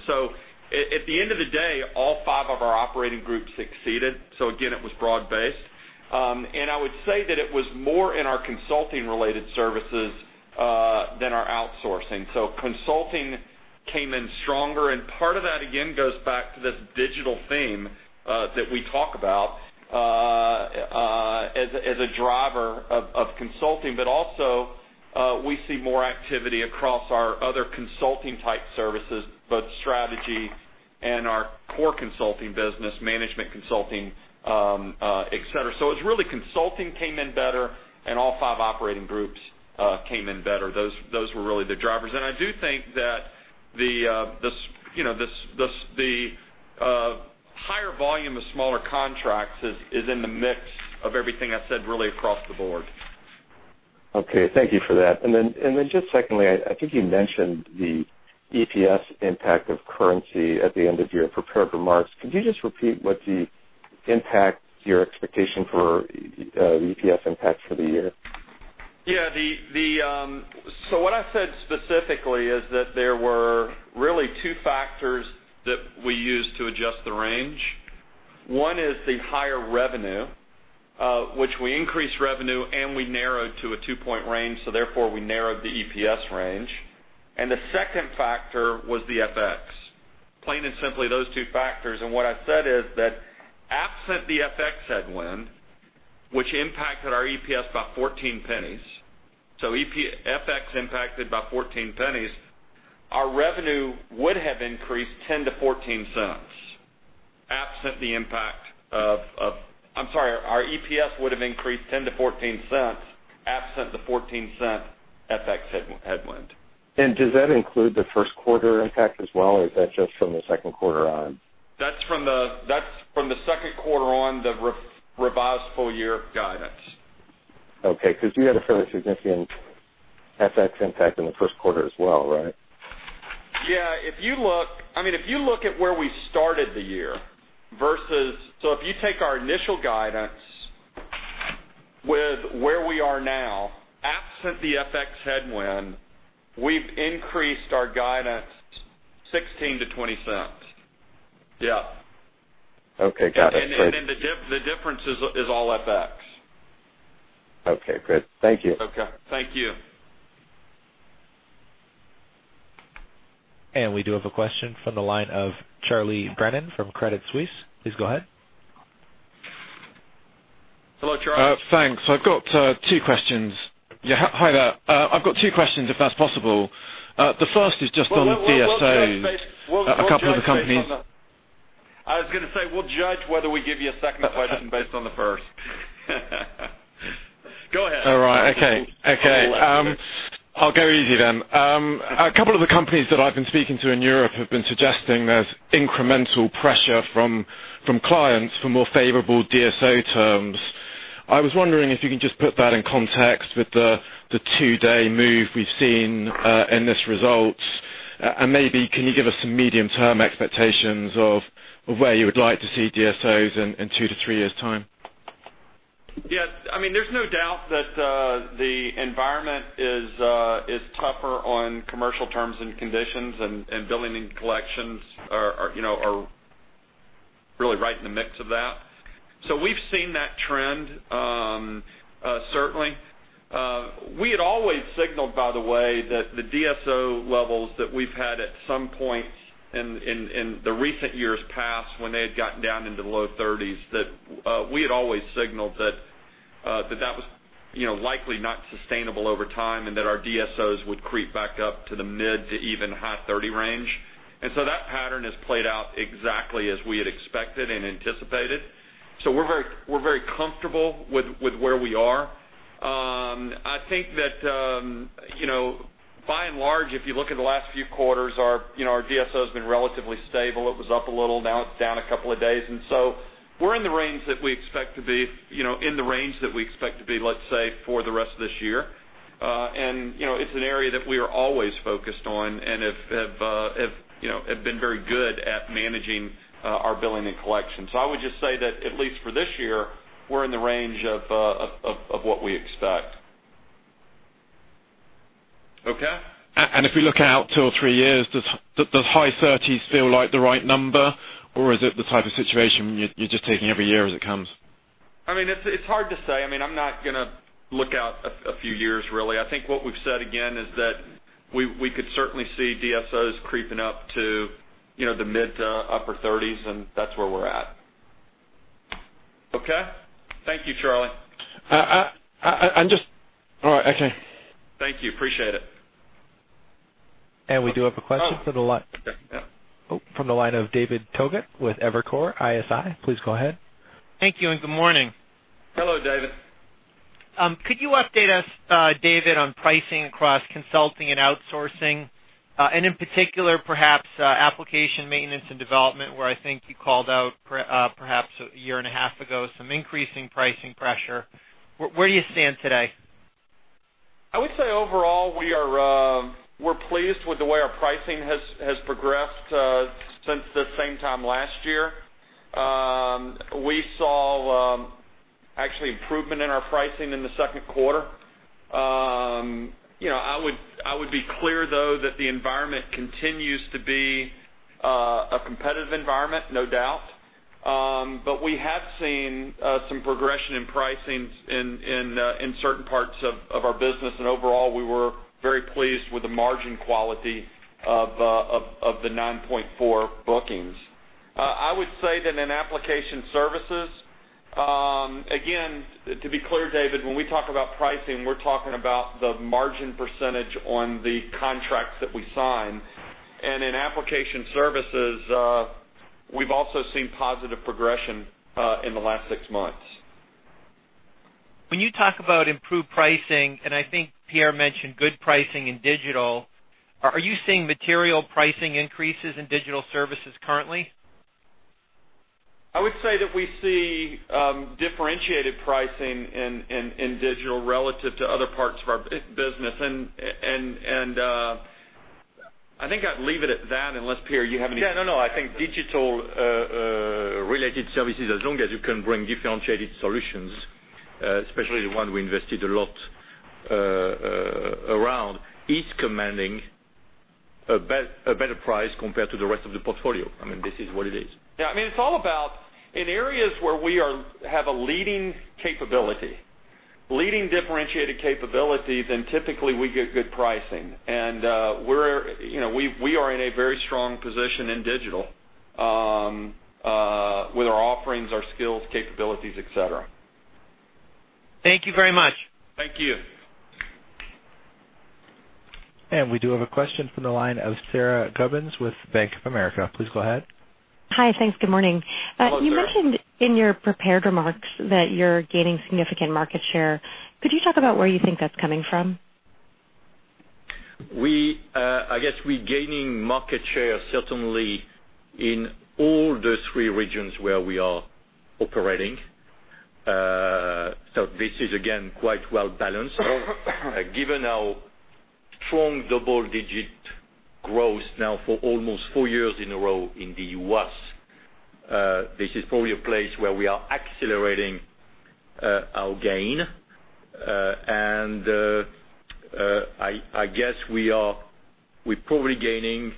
At the end of the day, all five of our operating groups exceeded. Again, it was broad-based. I would say that it was more in our consulting-related services than our outsourcing. Consulting came in stronger, and part of that, again, goes back to this digital theme that we talk about as a driver of consulting. Also, we see more activity across our other consulting-type services, both strategy and our core consulting business, management consulting, et cetera. It's really consulting came in better and all five operating groups came in better. Those were really the drivers. I do think that the higher volume of smaller contracts is in the mix of everything I said, really, across the board. Thank you for that. Just secondly, I think you mentioned the EPS impact of currency at the end of your prepared remarks. Could you just repeat your expectation for the EPS impact for the year? Yeah. What I said specifically is that there were really two factors that we used to adjust the range. One is the higher revenue, which we increased revenue, and we narrowed to a two-point range, so therefore, we narrowed the EPS range. The second factor was the FX. Plain and simply, those two factors. What I said is that absent the FX headwind, which impacted our EPS by $0.14, so FX impacted by $0.14, our EPS would have increased $0.10-$0.14, absent the $0.14 FX headwind. Does that include the first quarter impact as well, or is that just from the second quarter on? That's from the second quarter on the revised full-year guidance. Okay, because you had a fairly significant FX impact in the first quarter as well, right? Yeah. If you take our initial guidance with where we are now, absent the FX headwind, we've increased our guidance $0.16-$0.20. Yeah. Okay. Got it. Great. The difference is all FX. Okay, good. Thank you. Okay. Thank you. We do have a question from the line of Charles Brennan from Credit Suisse. Please go ahead. Hello, Charlie. Thanks. I've got two questions. Yeah. Hi there. I've got two questions, if that's possible. The first is just on DSOs. A couple of the companies- I was going to say, we'll judge whether we give you a second question based on the first. Go ahead. All right. Okay. I'll go easy then. A couple of the companies that I've been speaking to in Europe have been suggesting there's incremental pressure from clients for more favorable DSO terms. I was wondering if you can just put that in context with the two-day move we've seen in this result. Maybe can you give us some medium-term expectations of where you would like to see DSOs in two to three years' time? Yeah. There's no doubt that the environment is tougher on commercial terms and conditions, and billing and collections are really right in the mix of that. We've seen that trend, certainly. We had always signaled, by the way, that the DSO levels that we've had at some point in the recent years past, when they had gotten down into the low 30s, that we had always signaled that that was likely not sustainable over time and that our DSOs would creep back up to the mid to even high 30 range. That pattern has played out exactly as we had expected and anticipated. We're very comfortable with where we are. I think that by and large, if you look at the last few quarters, our DSO has been relatively stable. It was up a little, now it's down a couple of days. We're in the range that we expect to be, let's say, for the rest of this year. It's an area that we are always focused on and have been very good at managing our billing and collection. I would just say that at least for this year, we're in the range of what we expect. Okay? If we look out two or three years, does high 30s feel like the right number, or is it the type of situation you're just taking every year as it comes? It's hard to say. I'm not going to look out a few years, really. I think what we've said again, is that we could certainly see DSOs creeping up to the mid to upper 30s, and that's where we're at. Okay? Thank you, Charlie. Oh, okay. Thank you. Appreciate it. We do have a question from the line of David Togut with Evercore ISI. Please go ahead. Thank you and good morning. Hello, David. Could you update us, David, on pricing across consulting and outsourcing, and in particular perhaps application maintenance and development, where I think you called out perhaps a year and a half ago, some increasing pricing pressure. Where do you stand today? I would say overall, we're pleased with the way our pricing has progressed since this same time last year. We saw actually improvement in our pricing in the second quarter. I would be clear, though, that the environment continues to be a competitive environment, no doubt. We have seen some progression in pricing in certain parts of our business, and overall, we were very pleased with the margin quality of the 9.4 bookings. I would say that in application services, again, to be clear, David, when we talk about pricing, we're talking about the margin percentage on the contracts that we sign. In application services, we've also seen positive progression in the last six months. When you talk about improved pricing, and I think Pierre mentioned good pricing in digital, are you seeing material pricing increases in digital services currently? I would say that we see differentiated pricing in digital relative to other parts of our business. I think I'd leave it at that unless, Pierre, you have any- Yeah, no. I think Digital-related services, as long as you can bring differentiated solutions, especially the one we invested a lot around, is commanding a better price compared to the rest of the portfolio. This is what it is. Yeah, it's all about in areas where we have a leading capability, leading differentiated capability, then typically we get good pricing. We are in a very strong position in Digital, with our offerings, our skills, capabilities, et cetera. Thank you very much. Thank you. We do have a question from the line of Sara Gubins with Bank of America. Please go ahead. Hi. Thanks. Good morning. Hello, Sara. You mentioned in your prepared remarks that you're gaining significant market share. Could you talk about where you think that's coming from? I guess we're gaining market share certainly in all the three regions where we are operating. This is, again, quite well-balanced. Given our strong double-digit growth now for almost four years in a row in the U.S., this is probably a place where we are accelerating our gain. I guess we're probably gaining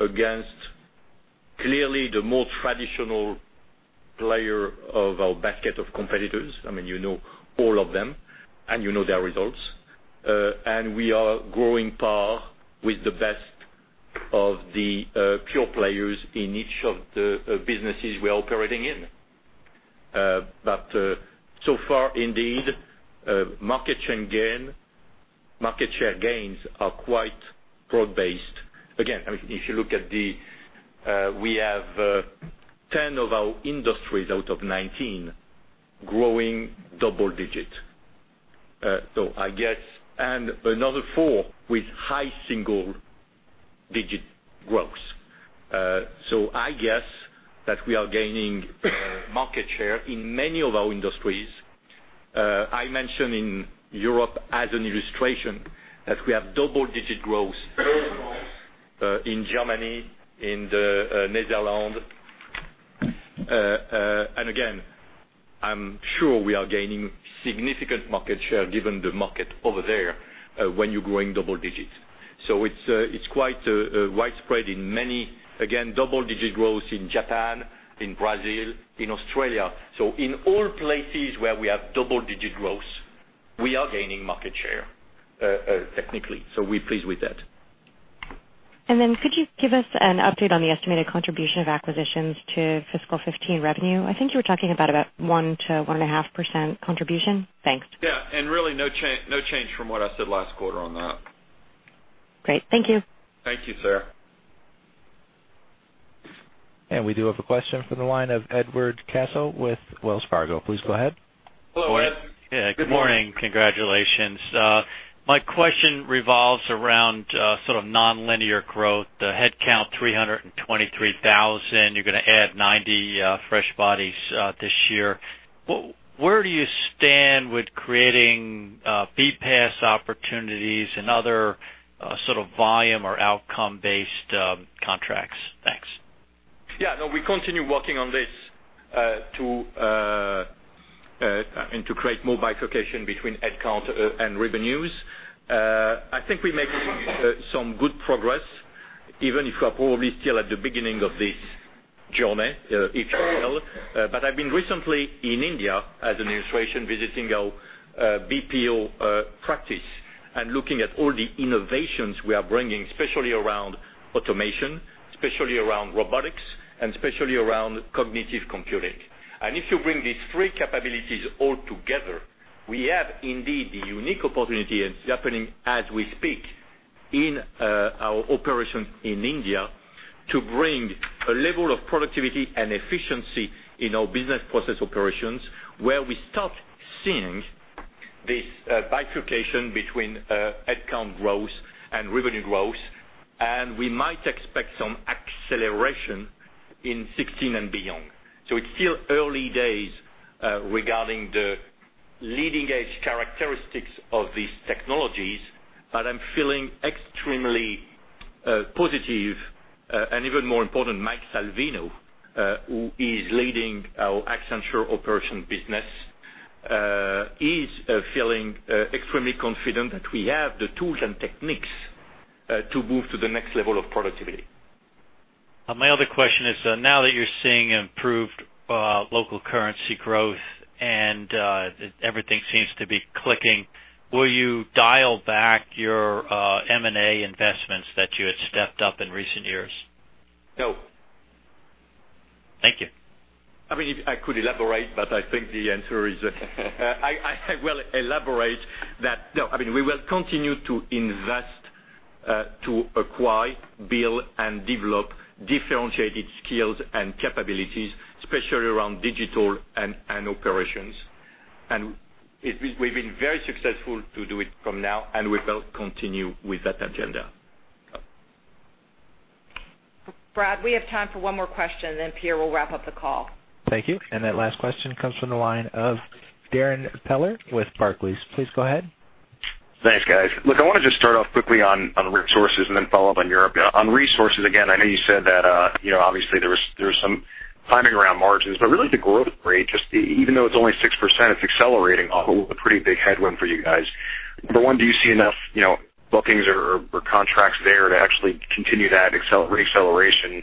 against clearly the more traditional player of our basket of competitors. You know all of them, and you know their results. We are growing par with the best of the pure players in each of the businesses we are operating in. So far, indeed, market share gains are quite broad-based. Again, if you look at the-- We have 10 of our industries out of 19 growing double-digit. Another four with high single-digit growth. I guess that we are gaining market share in many of our industries. I mentioned in Europe as an illustration that we have double-digit growth in Germany, in the Netherlands. Again, I'm sure we are gaining significant market share given the market over there when you're growing double digits. It's quite widespread in many. Again, double-digit growth in Japan, in Brazil, in Australia. In all places where we have double-digit growth, we are gaining market share, technically. We're pleased with that. Could you give us an update on the estimated contribution of acquisitions to fiscal 2015 revenue? I think you were talking about 1%-1.5% contribution. Thanks. Yeah. Really no change from what I said last quarter on that. Great. Thank you. Thank you, Sarah. We do have a question from the line of Edward Caso with Wells Fargo. Please go ahead. Hello, Ed. Good morning. Yeah, good morning. Congratulations. My question revolves around sort of nonlinear growth. The head count 323,000. You're going to add 90 fresh bodies this year. Where do you stand with creating BPaaS opportunities and other sort of volume or outcome-based contracts? Thanks. Yeah. No, we continue working on this and to create more bifurcation between head count and revenues. I think we make some good progress, even if we are probably still at the beginning of this journey, if you will. I've been recently in India as an illustration, visiting our BPO practice and looking at all the innovations we are bringing, especially around automation, especially around robotics, and especially around cognitive computing. If you bring these three capabilities all together, we have indeed the unique opportunity, and it's happening as we speak in our operations in India to bring a level of productivity and efficiency in our business process operations, where we start seeing this bifurcation between head count growth and revenue growth, we might expect some acceleration in 2016 and beyond. It's still early days regarding the leading-edge characteristics of these technologies, but I'm feeling extremely positive. Even more important, Mike Salvino, who is leading our Accenture Operations business is feeling extremely confident that we have the tools and techniques to move to the next level of productivity. My other question is, now that you're seeing improved local currency growth and everything seems to be clicking, will you dial back your M&A investments that you had stepped up in recent years? No. Thank you. I mean, I could elaborate, but I think the answer is I will elaborate that, no, I mean, we will continue to invest to acquire, build, and develop differentiated skills and capabilities, especially around digital and operations. We've been very successful to do it from now, and we will continue with that agenda. Brad, we have time for one more question, then Pierre will wrap up the call. Thank you. That last question comes from the line of Darrin Peller with Barclays. Please go ahead. Thanks, guys. Look, I want to just start off quickly on resources and then follow up on Europe. On resources, again, I know you said that obviously there was some timing around margins, but really the growth rate, just even though it's only 6%, it's accelerating off a pretty big headwind for you guys. Number one, do you see enough bookings or contracts there to actually continue that re-acceleration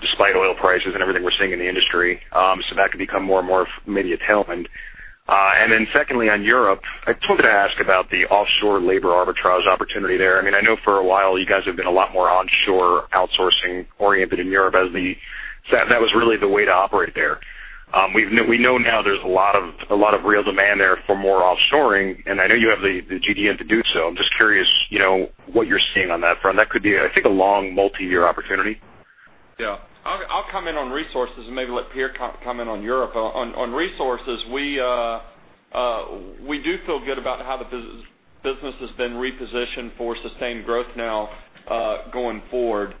despite oil prices and everything we're seeing in the industry? That could become more and more maybe a tailwind. Then secondly, on Europe, I just wanted to ask about the offshore labor arbitrage opportunity there. I know for a while you guys have been a lot more onshore outsourcing oriented in Europe as that was really the way to operate there. We know now there's a lot of real demand there for more offshoring, and I know you have the GDN to do so. I'm just curious what you're seeing on that front. That could be, I think, a long multi-year opportunity. Yeah. I'll comment on resources and maybe let Pierre comment on Europe. On resources, we do feel good about how the business has been repositioned for sustained growth now going forward.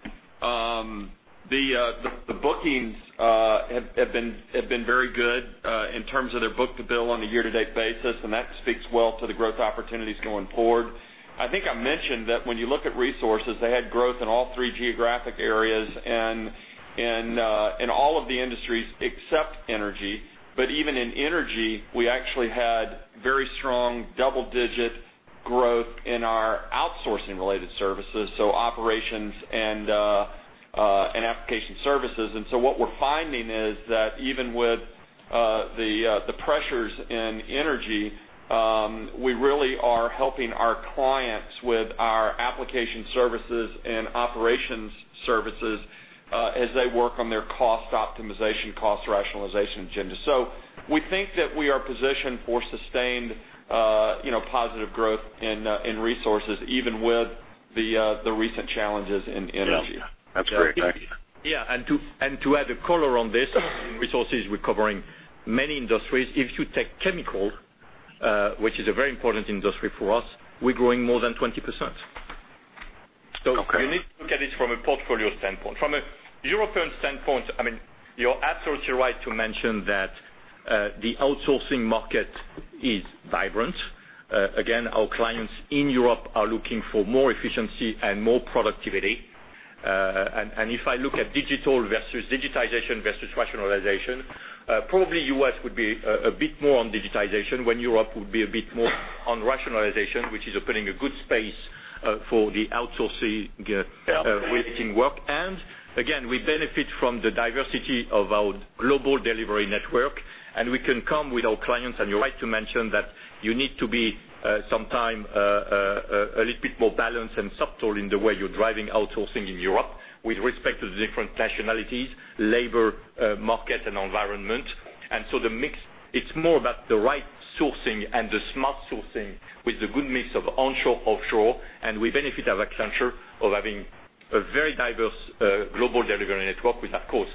The bookings have been very good in terms of their book-to-bill on a year-to-date basis, and that speaks well to the growth opportunities going forward. I think I mentioned that when you look at resources, they had growth in all three geographic areas and in all of the industries except energy. Even in energy, we actually had very strong double-digit growth in our outsourcing-related services, so Operations and application services. What we're finding is that even with the pressures in energy, we really are helping our clients with our application services and Operations services as they work on their cost optimization, cost rationalization agenda. We think that we are positioned for sustained positive growth in resources, even with the recent challenges in energy. Yeah. That's great. Thanks. Yeah. To add a color on this, resources, we're covering many industries. If you take chemical, which is a very important industry for us, we're growing more than 20%. Okay. You need to look at it from a portfolio standpoint. From a European standpoint, you're absolutely right to mention that the outsourcing market is vibrant. Again, our clients in Europe are looking for more efficiency and more productivity. If I look at digitalization versus rationalization, probably U.S. would be a bit more on digitalization, when Europe would be a bit more on rationalization, which is opening a good space for the outsourcing relating work. Again, we benefit from the diversity of our Global Delivery Network, we can come with our clients. You're right to mention that you need to be sometime a little bit more balanced and subtle in the way you're driving outsourcing in Europe with respect to the different nationalities, labor market, and environment. The mix, it's more about the right sourcing and the smart sourcing with the good mix of onshore, offshore, we benefit at Accenture of having a very diverse Global Delivery Network with, of course,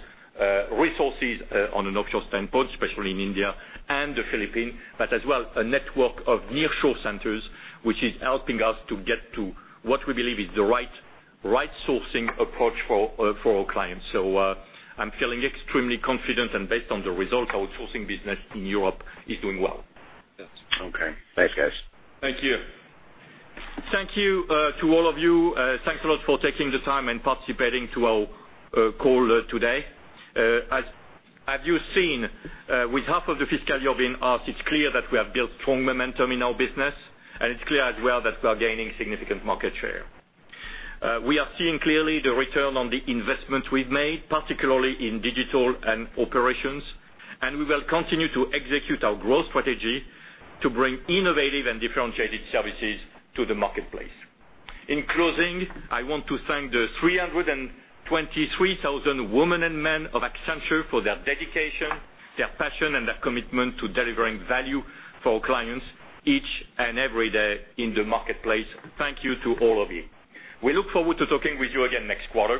resources on an offshore standpoint, especially in India and the Philippines, but as well, a network of nearshore centers, which is helping us to get to what we believe is the right sourcing approach for our clients. I'm feeling extremely confident and based on the results, our outsourcing business in Europe is doing well. Okay. Thanks, guys. Thank you. Thank you to all of you. Thanks a lot for taking the time and participating to our call today. As you've seen with half of the fiscal year being passed, it's clear that we have built strong momentum in our business. It's clear as well that we are gaining significant market share. We are seeing clearly the return on the investment we've made, particularly in Digital and Operations, and we will continue to execute our growth strategy to bring innovative and differentiated services to the marketplace. In closing, I want to thank the 323,000 women and men of Accenture for their dedication, their passion, and their commitment to delivering value for our clients each and every day in the marketplace. Thank you to all of you. We look forward to talking with you again next quarter.